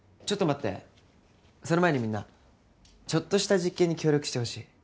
ちょっと待ってその前にみんなちょっとした実験に協力してほしい。